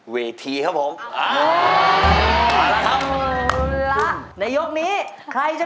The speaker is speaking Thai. เสือคนละทั้ง